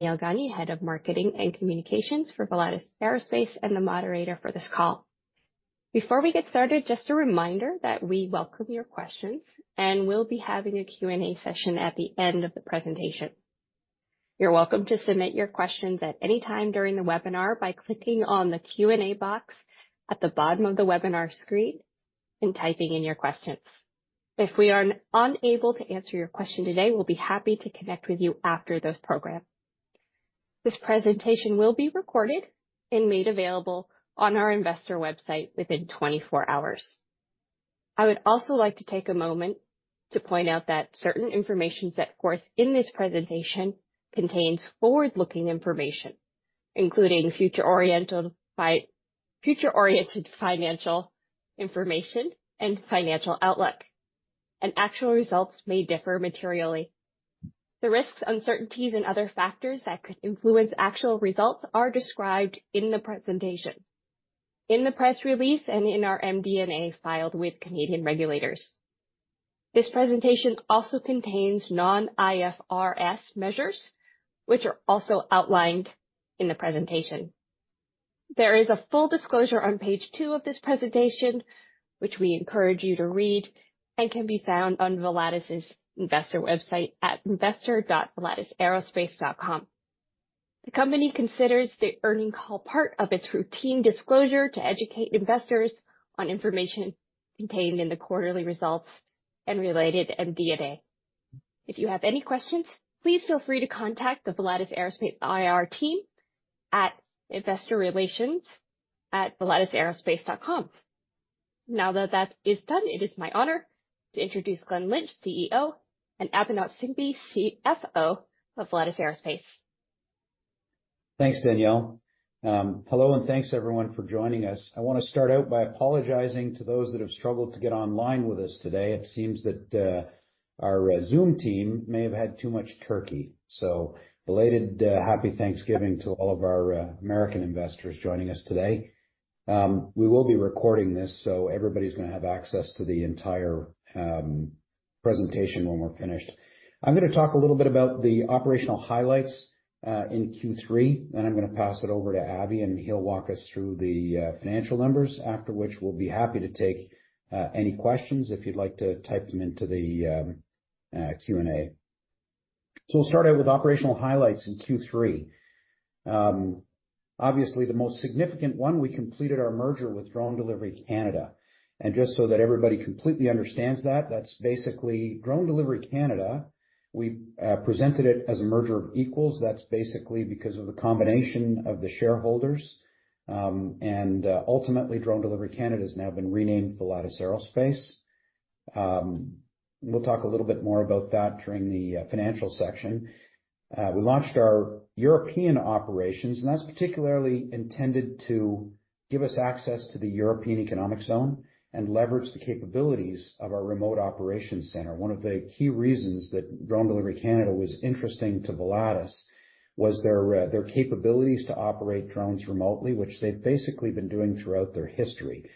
Danielle Gagne, Head of Marketing and Communications for Volatus Aerospace, and the moderator for this call. Before we get started, just a reminder that we welcome your questions, and we'll be having a Q&A session at the end of the presentation. You're welcome to submit your questions at any time during the webinar by clicking on the Q&A box at the bottom of the webinar screen and typing in your questions. If we are unable to answer your question today, we'll be happy to connect with you after this program. This presentation will be recorded and made available on our investor website within 24 hours. I would also like to take a moment to point out that certain information set forth in this presentation contains forward-looking information, including future-oriented financial information and financial outlook, and actual results may differ materially. The risks, uncertainties, and other factors that could influence actual results are described in the presentation, in the press release, and in our MD&A filed with Canadian regulators. This presentation also contains non-IFRS measures, which are also outlined in the presentation. There is a full disclosure on page two of this presentation, which we encourage you to read, and can be found on Volatus's Investor website at investor.volatusaerospace.com. The company considers the earnings call part of its routine disclosure to educate investors on information contained in the quarterly results and related MD&A. If you have any questions, please feel free to contact the Volatus Aerospace IR team at investorrelations@volatusaerospace.com. Now that that is done, it is my honor to introduce Glen Lynch, CEO and Abhinav Singhvi, CFO of Volatus Aerospace. Thanks, Danielle. Hello, and thanks, everyone, for joining us. I want to start out by apologizing to those that have struggled to get online with us today. It seems that our Zoom team may have had too much turkey. So belated, happy Thanksgiving to all of our American investors joining us today. We will be recording this, so everybody's going to have access to the entire presentation when we're finished. I'm going to talk a little bit about the operational highlights in Q3, then I'm going to pass it over to Abby, and he'll walk us through the financial numbers, after which we'll be happy to take any questions if you'd like to type them into the Q&A. So we'll start out with operational highlights in Q3. Obviously, the most significant one, we completed our merger with Drone Delivery Canada. Just so that everybody completely understands that, that's basically Drone Delivery Canada. We presented it as a merger of equals. That's basically because of the combination of the shareholders. Ultimately, Drone Delivery Canada has now been renamed Volatus Aerospace. We'll talk a little bit more about that during the financial section. We launched our European operations, and that's particularly intended to give us access to the European Economic Zone and leverage the capabilities of our remote operations center. One of the key reasons that Drone Delivery Canada was interesting to Volatus was their capabilities to operate drones remotely, which they've basically been doing throughout their history.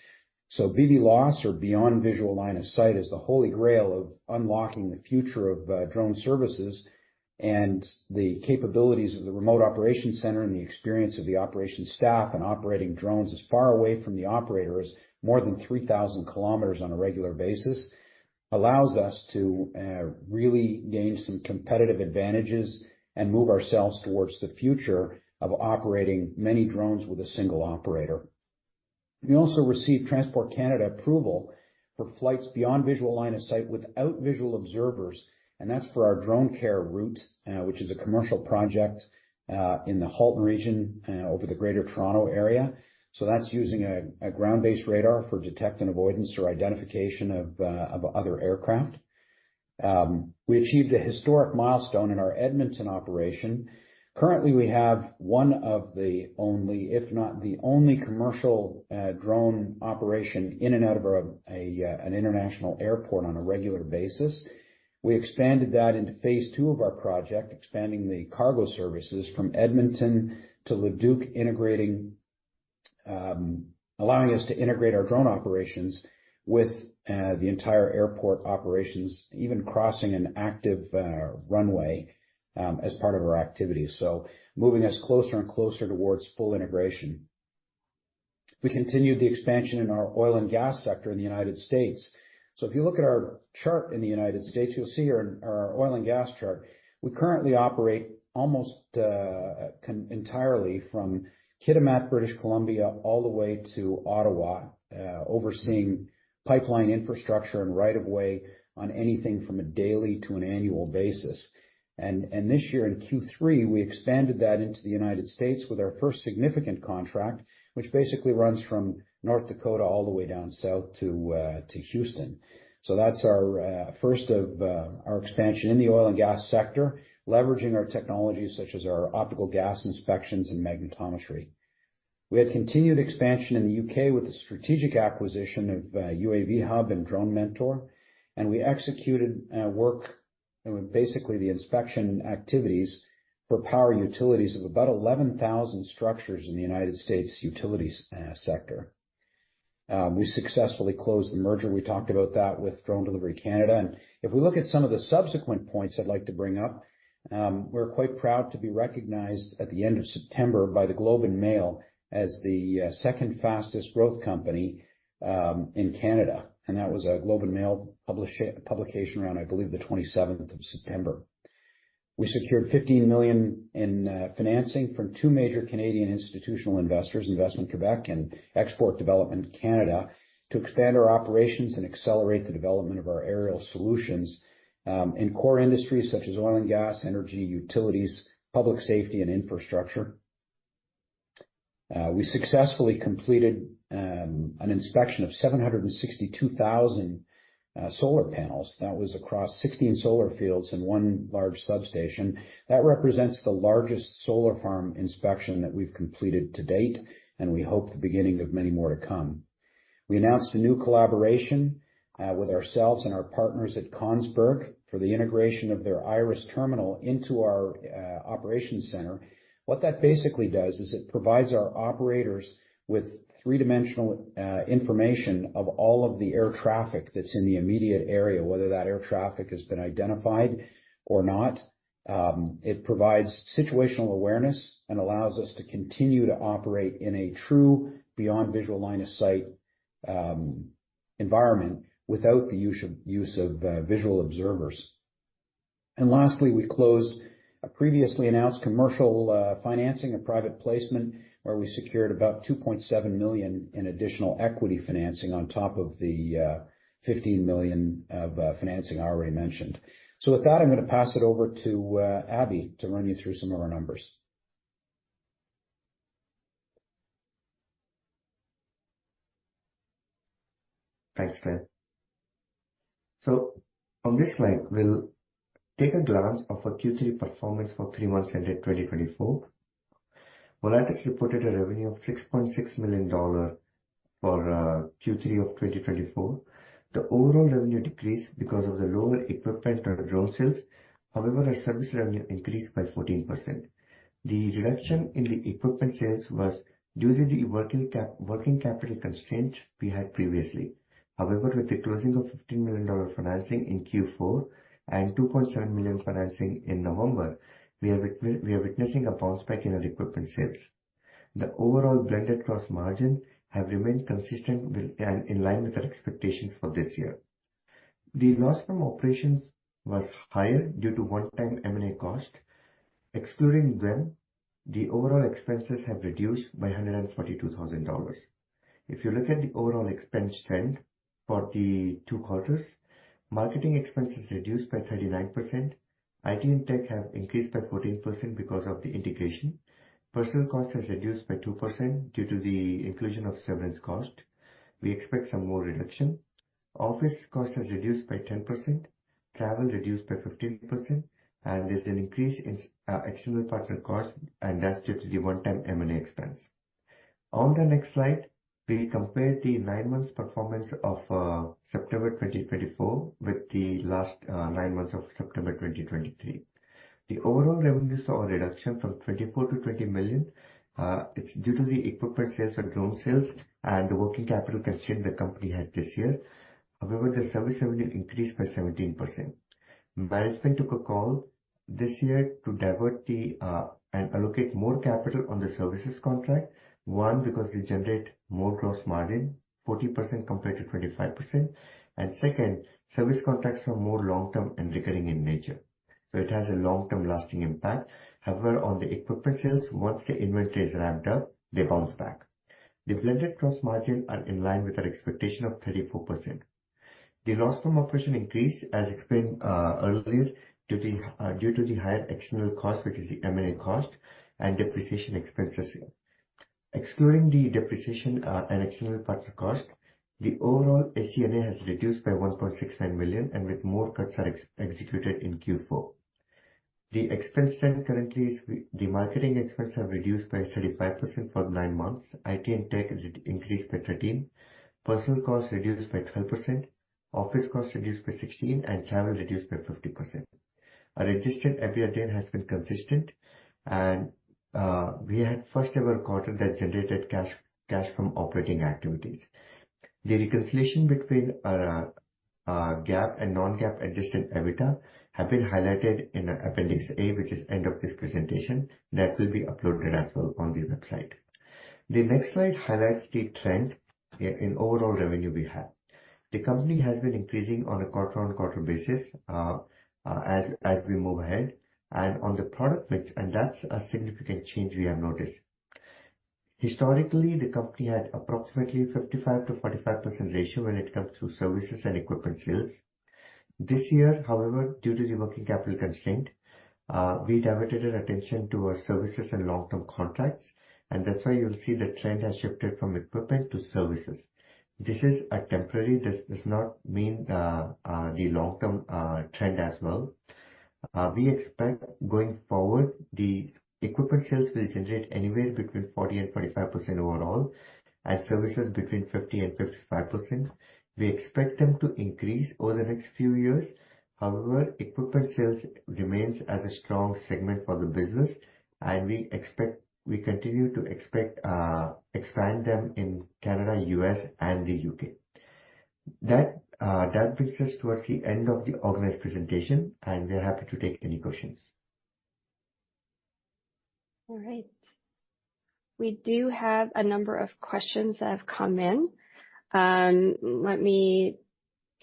BVLOS, or Beyond Visual Line of Sight, is the holy grail of unlocking the future of drone services. The capabilities of the remote operations center and the experience of the operations staff and operating drones as far away from the operator as more than 3,000 kilometers on a regular basis allows us to really gain some competitive advantages and move ourselves towards the future of operating many drones with a single operator. We also received Transport Canada approval for flights beyond visual line of sight without visual observers, and that's for our DroneCare route, which is a commercial project in the Halton Region over the Greater Toronto Area. So that's using a ground-based radar for detect and avoidance or identification of other aircraft. We achieved a historic milestone in our Edmonton operation. Currently, we have one of the only, if not the only, commercial drone operation in and out of an international airport on a regular basis. We expanded that into phase two of our project, expanding the cargo services from Edmonton to Leduc, allowing us to integrate our drone operations with the entire airport operations, even crossing an active runway as part of our activity, so moving us closer and closer towards full integration. We continued the expansion in our oil and gas sector in the United States. So if you look at our chart in the United States, you'll see here in our oil and gas chart, we currently operate almost entirely from Kitimat, British Columbia, all the way to Ottawa, overseeing pipeline infrastructure and right-of-way on anything from a daily to an annual basis. And this year, in Q3, we expanded that into the United States with our first significant contract, which basically runs from North Dakota all the way down south to Houston. That's our first of our expansion in the oil and gas sector, leveraging our technologies such as our optical gas inspections and magnetometry. We had continued expansion in the U.K. with the strategic acquisition of UAV Hub and Drone Mentor, and we executed work, basically the inspection activities for power utilities of about 11,000 structures in the United States utilities sector. We successfully closed the merger. We talked about that with Drone Delivery Canada. If we look at some of the subsequent points I'd like to bring up, we're quite proud to be recognized at the end of September by The Globe and Mail as the second fastest growth company in Canada. That was a Globe and Mail publication around, I believe, the 27th of September. We secured 15 million in financing from two major Canadian institutional investors, Investissement Québec and Export Development Canada, to expand our operations and accelerate the development of our aerial solutions in core industries such as oil and gas, energy, utilities, public safety, and infrastructure. We successfully completed an inspection of 762,000 solar panels. That was across 16 solar fields and one large substation. That represents the largest solar farm inspection that we've completed to date, and we hope the beginning of many more to come. We announced a new collaboration with ourselves and our partners at Kongsberg for the integration of their IRIS Terminal into our operations center. What that basically does is it provides our operators with three-dimensional information of all of the air traffic that's in the immediate area, whether that air traffic has been identified or not. It provides situational awareness and allows us to continue to operate in a true beyond visual line of sight environment without the use of visual observers. And lastly, we closed a previously announced commercial financing, a private placement, where we secured about 2.7 million in additional equity financing on top of the 15 million of financing I already mentioned. So with that, I'm going to pass it over to Abby to run you through some of our numbers. Thanks, Glen. So on this slide, we'll take a glance at Q3 performance for three months ended 2024. Volatus reported a revenue of 6.6 million dollar for Q3 of 2024. The overall revenue decreased because of the lower equipment or drone sales. However, our service revenue increased by 14%. The reduction in the equipment sales was due to the working capital constraints we had previously. However, with the closing of 15 million dollar financing in Q4 and 2.7 million financing in November, we are witnessing a bounce back in our equipment sales. The overall blended cost margin has remained consistent and in line with our expectations for this year. The loss from operations was higher due to one-time M&A cost. Excluding them, the overall expenses have reduced by 142,000 dollars. If you look at the overall expense trend for the two quarters, marketing expenses reduced by 39%. IT and tech have increased by 14% because of the integration. Personnel cost has reduced by 2% due to the inclusion of severance cost. We expect some more reduction. Office cost has reduced by 10%. Travel reduced by 15%. And there's an increase in external partner cost, and that's due to the one-time M&A expense. On the next slide, we compared the nine-month performance of September 2024 with the last nine months of September 2023. The overall revenues saw a reduction from 24 million to 20 million. It's due to the equipment sales and drone sales and the working capital constraint the company had this year. However, the service revenue increased by 17%. Management took a call this year to divert and allocate more capital on the services contract, one, because they generate more gross margin, 40% compared to 25%. And second, service contracts are more long-term and recurring in nature. So it has a long-term lasting impact. However, on the equipment sales, once the inventory is ramped up, they bounce back. The blended gross margin is in line with our expectation of 34%. The loss from operation increased, as explained earlier, due to the higher external cost, which is the M&A cost and depreciation expenses. Excluding the depreciation and external partner cost, the overall SG&A has reduced by 1.69 million, and with more cuts executed in Q4. The expense trend currently is the marketing expenses have reduced by 35% for the nine months. IT and tech increased by 13%. Personal cost reduced by 12%. Office cost reduced by 16%, and travel reduced by 50%. Our adjusted EBITDA has been consistent, and we had first-ever quarter that generated cash from operating activities. The reconciliation between our GAAP and non-GAAP adjusted EBITDA has been highlighted in Appendix A, which is the end of this presentation. That will be uploaded as well on the website. The next slide highlights the trend in overall revenue we have. The company has been increasing on a quarter-on-quarter basis as we move ahead, and on the product mix, and that's a significant change we have noticed. Historically, the company had approximately 55%-45% ratio when it comes to services and equipment sales. This year, however, due to the working capital constraint, we diverted our attention to our services and long-term contracts, and that's why you'll see the trend has shifted from equipment to services. This is temporary. This does not mean the long-term trend as well. We expect going forward, the equipment sales will generate anywhere between 40% and 45% overall, and services between 50% and 55%. We expect them to increase over the next few years. However, equipment sales remain as a strong segment for the business, and we continue to expand them in Canada, the U.S., and the U.K. That brings us towards the end of the organized presentation, and we're happy to take any questions. All right. We do have a number of questions that have come in. Let me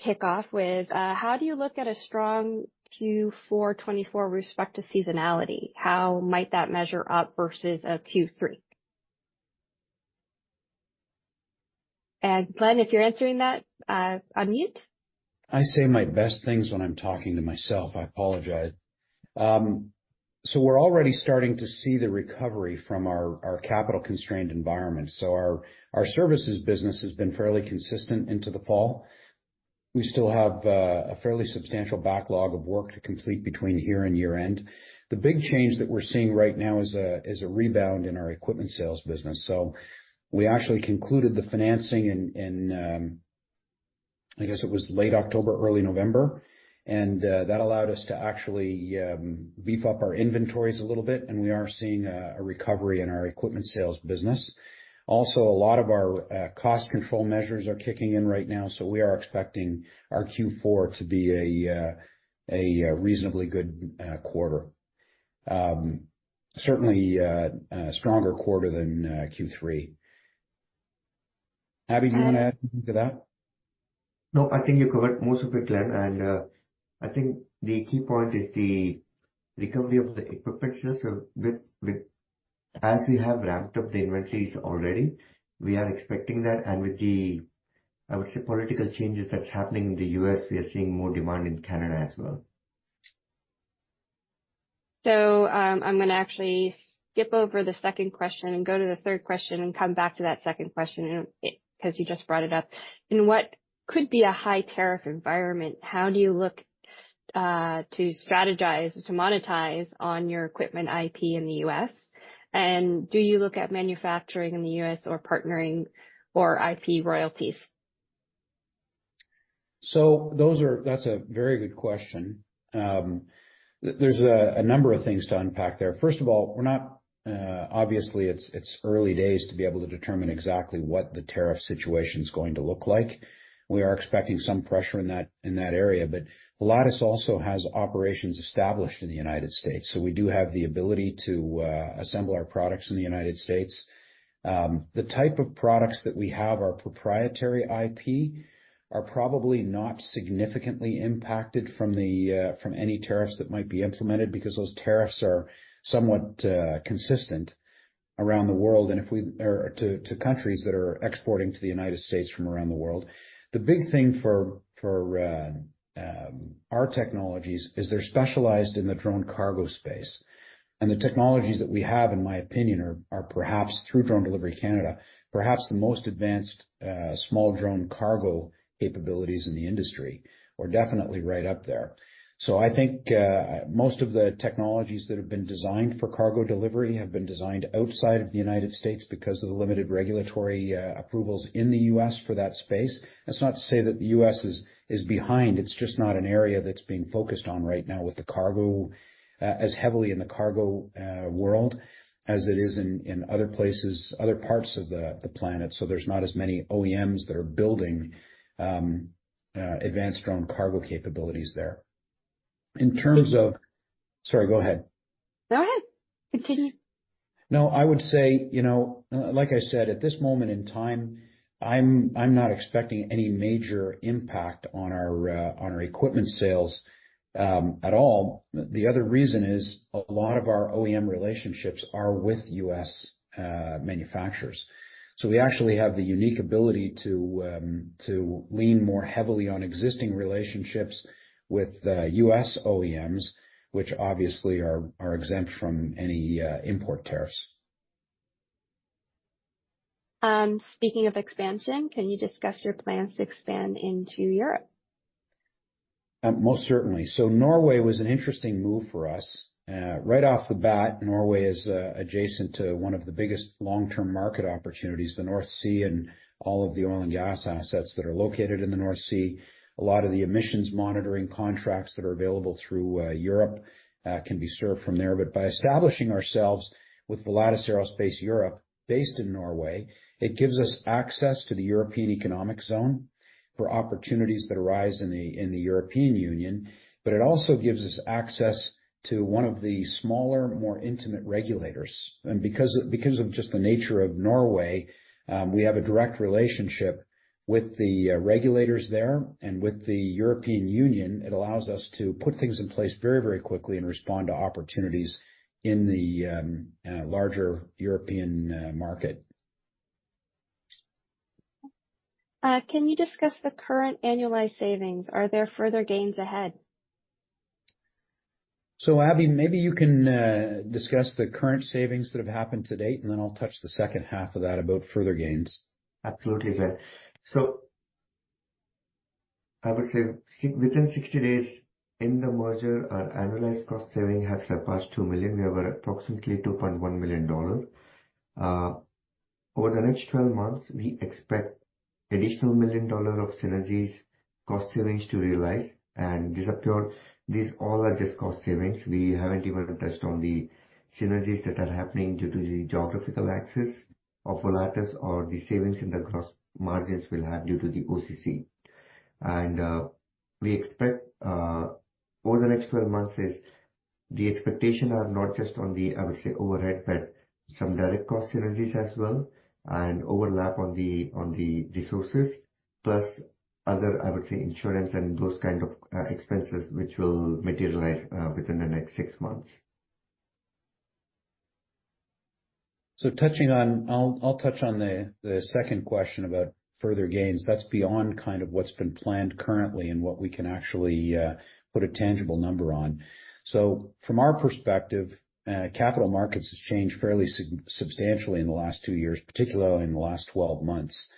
kick off with, how do you look at a strong Q4 2024 respect to seasonality? How might that measure up versus a Q3? And Glen, if you're answering that, unmute. I say my best things when I'm talking to myself. I apologize. So we're already starting to see the recovery from our capital-constrained environment. So our services business has been fairly consistent into the fall. We still have a fairly substantial backlog of work to complete between here and year-end. The big change that we're seeing right now is a rebound in our equipment sales business. So we actually concluded the financing in, I guess it was late October, early November, and that allowed us to actually beef up our inventories a little bit, and we are seeing a recovery in our equipment sales business. Also, a lot of our cost control measures are kicking in right now, so we are expecting our Q4 to be a reasonably good quarter, certainly a stronger quarter than Q3. Abby, do you want to add anything to that? No, I think you covered most of it, Glen. And I think the key point is the recovery of the equipment sales. So as we have ramped up the inventories already, we are expecting that. And with the, I would say, political changes that's happening in the U.S., we are seeing more demand in Canada as well. So I'm going to actually skip over the second question and go to the third question and come back to that second question because you just brought it up. In what could be a high-tariff environment, how do you look to strategize to monetize on your equipment IP in the U.S.? And do you look at manufacturing in the U.S. or partnering or IP royalties? So that's a very good question. There's a number of things to unpack there. First of all, obviously, it's early days to be able to determine exactly what the tariff situation is going to look like. We are expecting some pressure in that area. But Volatus also has operations established in the United States. So we do have the ability to assemble our products in the United States. The type of products that we have are proprietary IP are probably not significantly impacted from any tariffs that might be implemented because those tariffs are somewhat consistent around the world and to countries that are exporting to the United States from around the world. The big thing for our technologies is they're specialized in the drone cargo space. The technologies that we have, in my opinion, are perhaps through Drone Delivery Canada, perhaps the most advanced small drone cargo capabilities in the industry or definitely right up there. So I think most of the technologies that have been designed for cargo delivery have been designed outside of the United States because of the limited regulatory approvals in the U.S. for that space. That's not to say that the U.S. is behind. It's just not an area that's being focused on right now with the cargo as heavily in the cargo world as it is in other places, other parts of the planet. So there's not as many OEMs that are building advanced drone cargo capabilities there. In terms of. Sorry, go ahead. Go ahead. Continue. No, I would say, you know, like I said, at this moment in time, I'm not expecting any major impact on our equipment sales at all. The other reason is a lot of our OEM relationships are with U.S. manufacturers. So we actually have the unique ability to lean more heavily on existing relationships with U.S. OEMs, which obviously are exempt from any import tariffs. Speaking of expansion, can you discuss your plans to expand into Europe? Most certainly. So Norway was an interesting move for us. Right off the bat, Norway is adjacent to one of the biggest long-term market opportunities, the North Sea and all of the oil and gas assets that are located in the North Sea. A lot of the emissions monitoring contracts that are available through Europe can be served from there. But by establishing ourselves with Volatus Aerospace Europe, based in Norway, it gives us access to the European Economic Zone for opportunities that arise in the European Union. But it also gives us access to one of the smaller, more intimate regulators. And because of just the nature of Norway, we have a direct relationship with the regulators there and with the European Union. It allows us to put things in place very, very quickly and respond to opportunities in the larger European market. Can you discuss the current annualized savings? Are there further gains ahead? So Abby, maybe you can discuss the current savings that have happened to date, and then I'll touch the second half of that about further gains. Absolutely, Glen. So I would say within 60 days in the merger, our annualized cost saving has surpassed 2 million. We have approximately 2.1 million dollars. Over the next 12 months, we expect additional million dollars of synergies cost savings to realize. And these all are just cost savings. We haven't even touched on the synergies that are happening due to the geographical access of Volatus or the savings in the gross margins we'll have due to the OCC. And we expect over the next 12 months, the expectations are not just on the, I would say, overhead, but some direct cost synergies as well and overlap on the resources, plus other, I would say, insurance and those kinds of expenses which will materialize within the next 6 months. So I'll touch on the second question about further gains. That's beyond kind of what's been planned currently and what we can actually put a tangible number on. So from our perspective, capital markets have changed fairly substantially in the last two years, particularly in the last 12 months.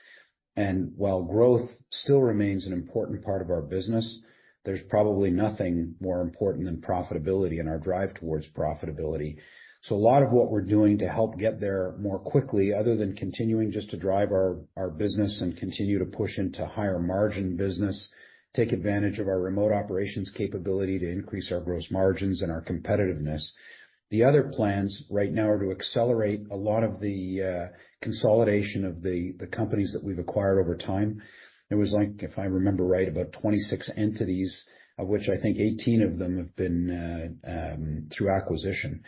And while growth still remains an important part of our business, there's probably nothing more important than profitability and our drive towards profitability. So a lot of what we're doing to help get there more quickly, other than continuing just to drive our business and continue to push into higher margin business, take advantage of our remote operations capability to increase our gross margins and our competitiveness. The other plans right now are to accelerate a lot of the consolidation of the companies that we've acquired over time. It was like, if I remember right, about 26 entities, of which I think 18 of them have been through acquisition.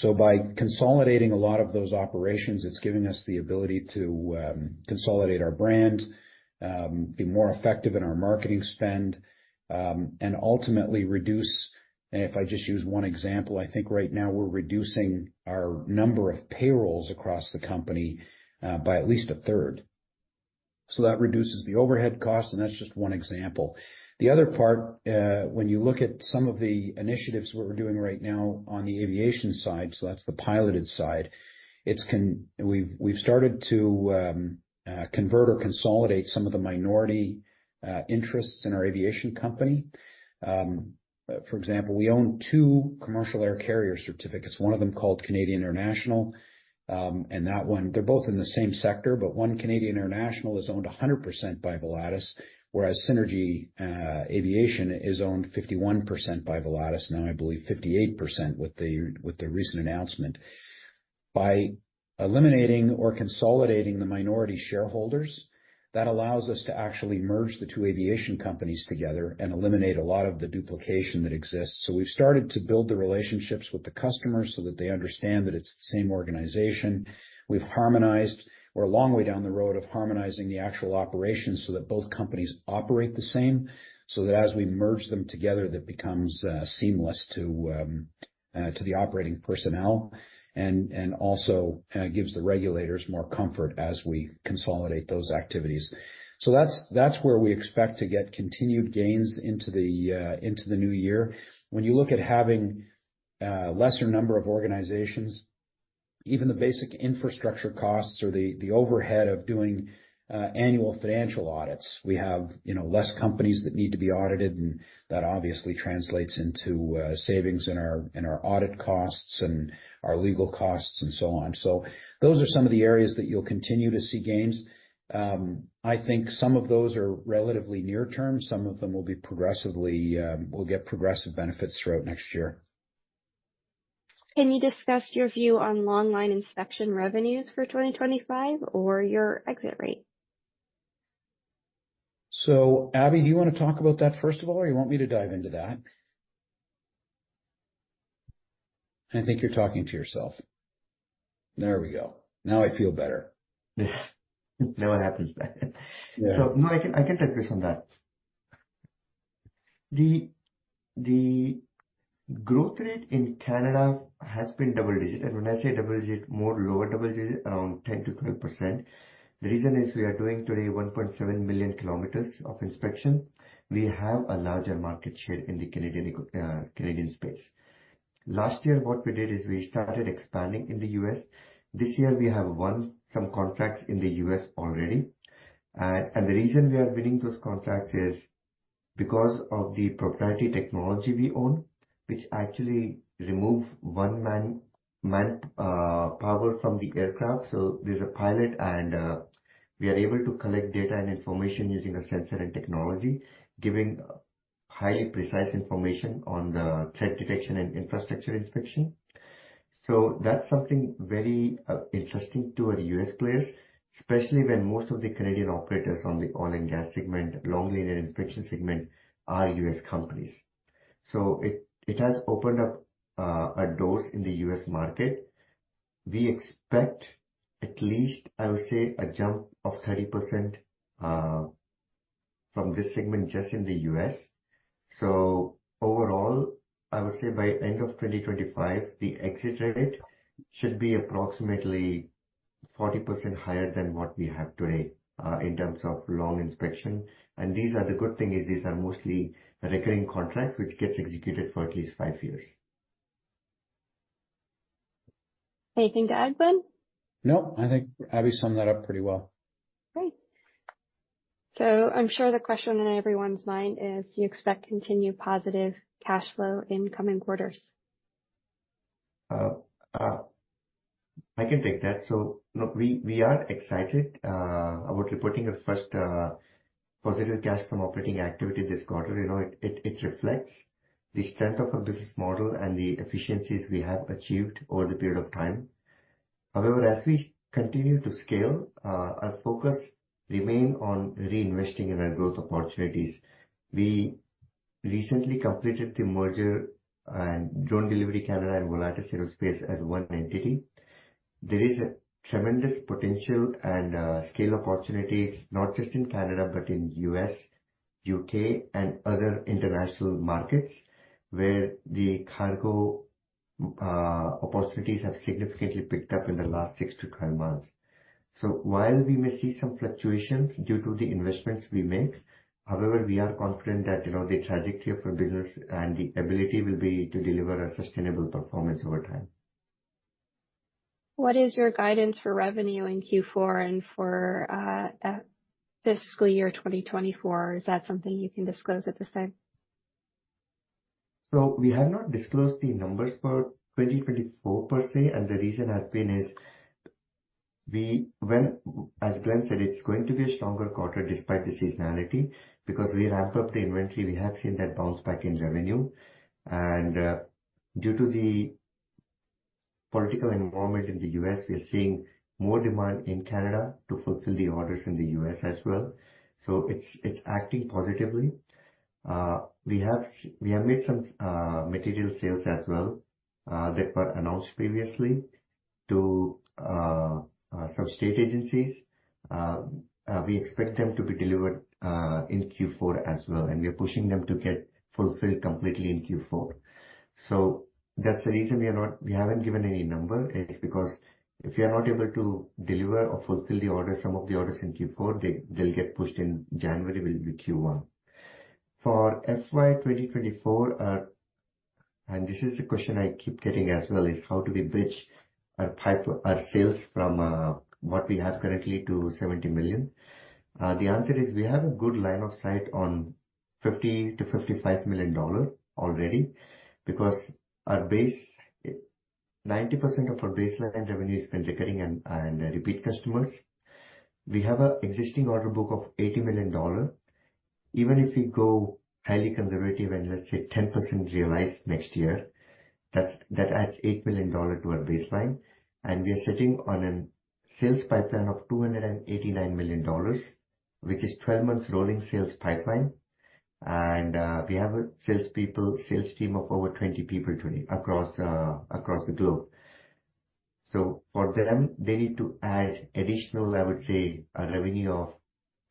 So by consolidating a lot of those operations, it's giving us the ability to consolidate our brand, be more effective in our marketing spend, and ultimately reduce, if I just use one example, I think right now we're reducing our number of payrolls across the company by at least a third. So that reduces the overhead costs, and that's just one example. The other part, when you look at some of the initiatives we're doing right now on the aviation side, so that's the piloted side, we've started to convert or consolidate some of the minority interests in our aviation company. For example, we own two commercial air carrier certificates, one of them called Canadian Air National. And they're both in the same sector, but one Canadian Air National is owned 100% by Volatus, whereas Synergy Aviation is owned 51% by Volatus, now I believe 58% with the recent announcement. By eliminating or consolidating the minority shareholders, that allows us to actually merge the two aviation companies together and eliminate a lot of the duplication that exists. So we've started to build the relationships with the customers so that they understand that it's the same organization. We've harmonized. We're a long way down the road of harmonizing the actual operations so that both companies operate the same, so that as we merge them together, that becomes seamless to the operating personnel and also gives the regulators more comfort as we consolidate those activities. So that's where we expect to get continued gains into the new year. When you look at having a lesser number of organizations, even the basic infrastructure costs or the overhead of doing annual financial audits, we have less companies that need to be audited, and that obviously translates into savings in our audit costs and our legal costs and so on. So those are some of the areas that you'll continue to see gains. I think some of those are relatively near-term. Some of them will get progressive benefits throughout next year. Can you discuss your view on long-line inspection revenues for 2025 or your exit rate? So, Abby, do you want to talk about that first of all, or you want me to dive into that? I think you're talking to yourself. There we go. Now I feel better. Now it happens. So no, I can touch base on that. The growth rate in Canada has been double-digit. And when I say double-digit, more lower double-digit, around 10%-12%. The reason is we are doing today 1.7 million kilometers of inspection. We have a larger market share in the Canadian space. Last year, what we did is we started expanding in the U.S. This year, we have won some contracts in the U.S. already. And the reason we are winning those contracts is because of the proprietary technology we own, which actually removes one-man power from the aircraft. So there's a pilot, and we are able to collect data and information using a sensor and technology, giving highly precise information on the threat detection and infrastructure inspection. So that's something very interesting to our U.S. players, especially when most of the Canadian operators on the oil and gas segment, long-linear inspection segment, are U.S. companies. So it has opened up a door in the U.S. market. We expect at least, I would say, a jump of 30% from this segment just in the U.S. So overall, I would say by end of 2025, the exit rate should be approximately 40% higher than what we have today in terms of long inspection. And the good thing is these are mostly recurring contracts, which get executed for at least five years. Anything to add, Glen? No, I think Abby summed that up pretty well. Great. So I'm sure the question in everyone's mind is, do you expect continued positive cash flow in coming quarters? I can take that. So we are excited about reporting our first positive cash from operating activity this quarter. It reflects the strength of our business model and the efficiencies we have achieved over the period of time. However, as we continue to scale, our focus remains on reinvesting in our growth opportunities. We recently completed the merger of Drone Delivery Canada and Volatus Aerospace as one entity. There is a tremendous potential and scale opportunity, not just in Canada, but in the U.S., U.K., and other international markets, where the cargo opportunities have significantly picked up in the last six to 12 months. So while we may see some fluctuations due to the investments we make, however, we are confident that the trajectory of our business and the ability will be to deliver a sustainable performance over time. What is your guidance for revenue in Q4 and for fiscal year 2024? Is that something you can disclose at this time? We have not disclosed the numbers for 2024, per se. The reason is, as Glen said, it's going to be a stronger quarter despite the seasonality because we ramp up the inventory. We have seen that bounce back in revenue. Due to the political environment in the U.S., we are seeing more demand in Canada to fulfill the orders in the U.S. as well. It's acting positively. We have made some material sales as well that were announced previously to some state agencies. We expect them to be delivered in Q4 as well. We are pushing them to get fulfilled completely in Q4. That's the reason we haven't given any number, is because if we are not able to deliver or fulfill the orders, some of the orders in Q4, they'll get pushed in January, will be Q1. For FY 2024, and this is the question I keep getting as well, is how do we bridge our sales from what we have currently to 70 million? The answer is we have a good line of sight on 50 million-55 million dollars already because 90% of our baseline revenue has been recurring and repeat customers. We have an existing order book of 80 million dollar. Even if we go highly conservative and let's say 10% realized next year, that adds 8 million dollar to our baseline. And we are sitting on a sales pipeline of 289 million dollars, which is a 12-month rolling sales pipeline. And we have a salespeople, sales team of over 20 people across the globe. So for them, they need to add additional, I would say, a revenue of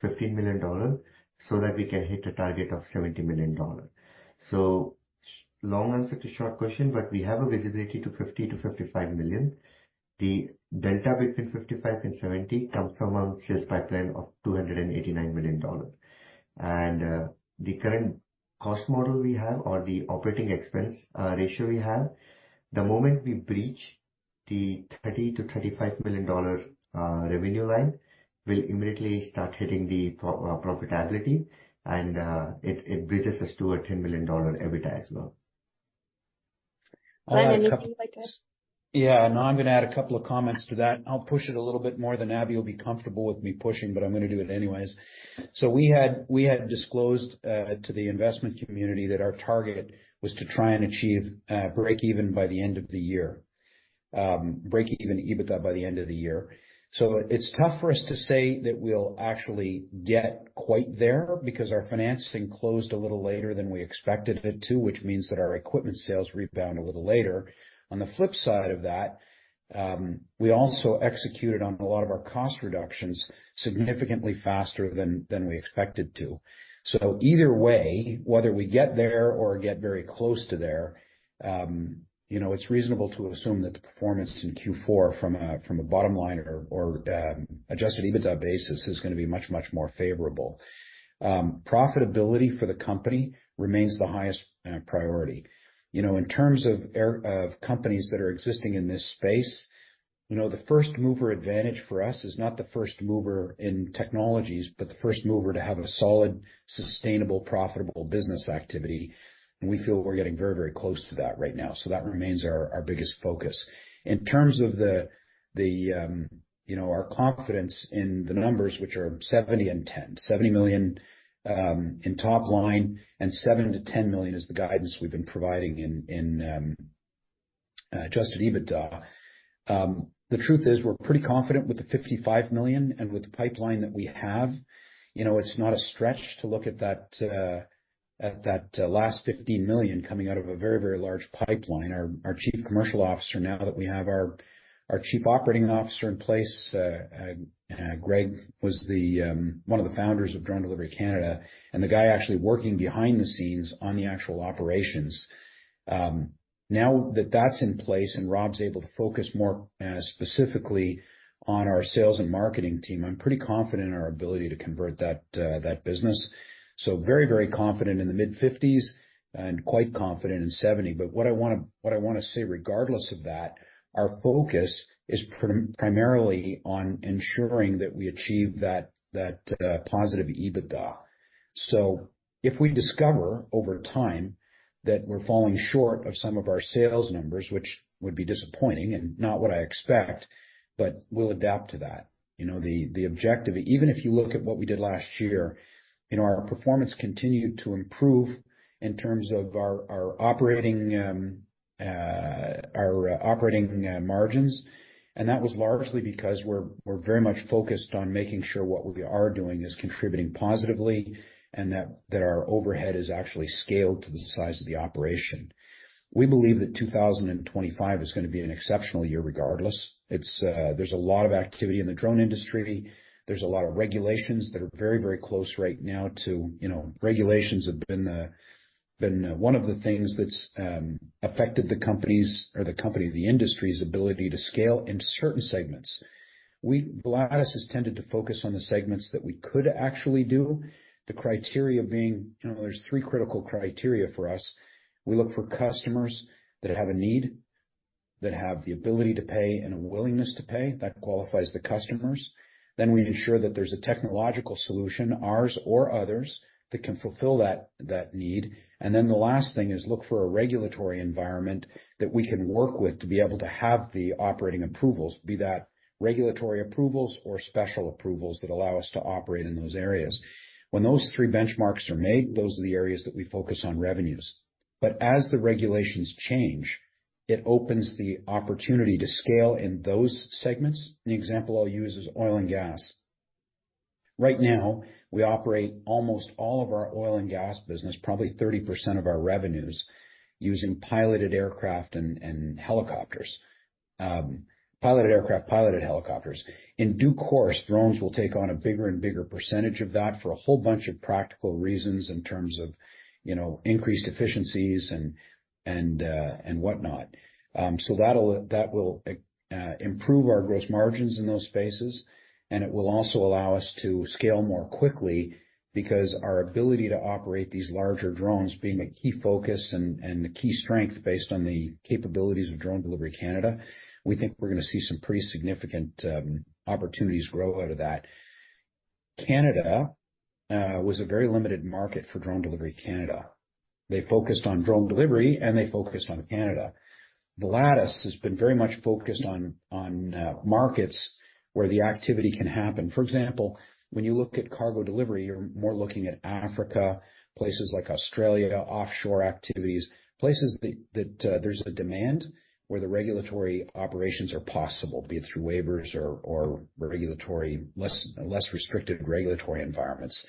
15 million dollars so that we can hit a target of 70 million dollars. So, long answer to short question, but we have visibility to $50-$55 million. The delta between $55 and $70 comes from our sales pipeline of $289 million. The current cost model we have or the operating expense ratio we have, the moment we breach the $30-$35 million revenue line, we'll immediately start hitting profitability, and it bridges us to our $10 million EBITDA as well. Glen, anything you'd like to add? Yeah, and I'm going to add a couple of comments to that. I'll push it a little bit more than Abby will be comfortable with me pushing, but I'm going to do it anyways. So we had disclosed to the investment community that our target was to try and achieve break-even by the end of the year, break-even EBITDA by the end of the year. So it's tough for us to say that we'll actually get quite there because our financing closed a little later than we expected it to, which means that our equipment sales rebound a little later. On the flip side of that, we also executed on a lot of our cost reductions significantly faster than we expected to. So either way, whether we get there or get very close to there, it's reasonable to assume that the performance in Q4 from a bottom line or Adjusted EBITDA basis is going to be much, much more favorable. Profitability for the company remains the highest priority. In terms of companies that are existing in this space, the first mover advantage for us is not the first mover in technologies, but the first mover to have a solid, sustainable, profitable business activity. And we feel we're getting very, very close to that right now. So that remains our biggest focus. In terms of our confidence in the numbers, which are 70 and 10, 70 million in top line, and 7 million to 10 million is the guidance we've been providing in Adjusted EBITDA. The truth is we're pretty confident with the 55 million. With the pipeline that we have, it's not a stretch to look at that last 15 million coming out of a very, very large pipeline. Our Chief Commercial Officer, now that we have our Chief Operating Officer in place, Greg was one of the founders of Drone Delivery Canada, and the guy actually working behind the scenes on the actual operations. Now that that's in place and Rob's able to focus more specifically on our sales and marketing team, I'm pretty confident in our ability to convert that business. Very, very confident in the mid-50s and quite confident in 70. What I want to say, regardless of that, our focus is primarily on ensuring that we achieve that positive EBITDA. So if we discover over time that we're falling short of some of our sales numbers, which would be disappointing and not what I expect, but we'll adapt to that. The objective, even if you look at what we did last year, our performance continued to improve in terms of our operating margins. And that was largely because we're very much focused on making sure what we are doing is contributing positively and that our overhead is actually scaled to the size of the operation. We believe that 2025 is going to be an exceptional year regardless. There's a lot of activity in the drone industry. There's a lot of regulations that are very, very close right now, too. Regulations have been one of the things that's affected the company or the industry's ability to scale in certain segments. Volatus has tended to focus on the segments that we could actually do. The criteria being, there's three critical criteria for us. We look for customers that have a need, that have the ability to pay, and a willingness to pay that qualifies the customers. Then we ensure that there's a technological solution, ours or others, that can fulfill that need. And then the last thing is look for a regulatory environment that we can work with to be able to have the operating approvals, be that regulatory approvals or special approvals that allow us to operate in those areas. When those three benchmarks are made, those are the areas that we focus on revenues, but as the regulations change, it opens the opportunity to scale in those segments. The example I'll use is oil and gas. Right now, we operate almost all of our oil and gas business, probably 30% of our revenues, using piloted aircraft and helicopters. In due course, drones will take on a bigger and bigger percentage of that for a whole bunch of practical reasons in terms of increased efficiencies and whatnot, so that will improve our gross margins in those spaces. And it will also allow us to scale more quickly because our ability to operate these larger drones being a key focus and a key strength based on the capabilities of Drone Delivery Canada, we think we're going to see some pretty significant opportunities grow out of that. Canada was a very limited market for Drone Delivery Canada. They focused on drone delivery, and they focused on Canada. Volatus has been very much focused on markets where the activity can happen. For example, when you look at cargo delivery, you're more looking at Africa, places like Australia, offshore activities, places that there's a demand where the regulatory operations are possible, be it through waivers or less restricted regulatory environments.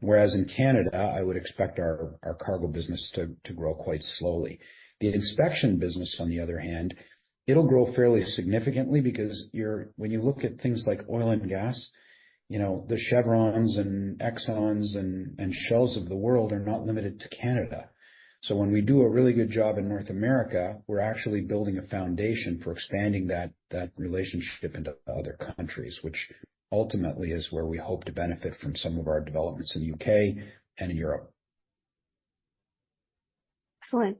Whereas in Canada, I would expect our cargo business to grow quite slowly. The inspection business, on the other hand, it'll grow fairly significantly because when you look at things like oil and gas, the Chevrons and Exxons and Shells of the world are not limited to Canada. So when we do a really good job in North America, we're actually building a foundation for expanding that relationship into other countries, which ultimately is where we hope to benefit from some of our developments in the U.K. and in Europe. Excellent.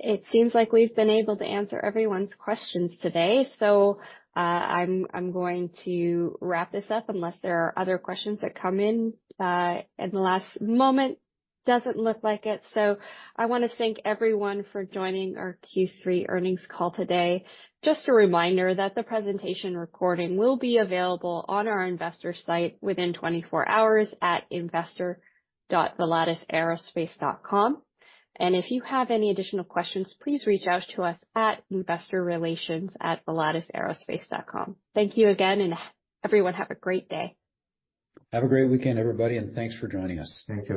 It seems like we've been able to answer everyone's questions today. So I'm going to wrap this up unless there are other questions that come in at the last moment. Doesn't look like it. So I want to thank everyone for joining our Q3 earnings call today. Just a reminder that the presentation recording will be available on our investor site within 24 hours at investor.volatusaerospace.com. And if you have any additional questions, please reach out to us at investorrelations@volatusaerospace.com. Thank you again, and everyone have a great day. Have a great weekend, everybody, and thanks for joining us. Thank you.